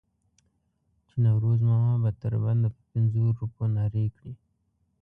چې نوروز ماما به تر بنده په پنځو روپو نارې کړې.